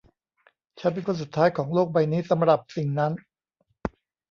ฉันเป็นคนสุดท้ายของโลกใบนี้สำหรับสิ่งนั้น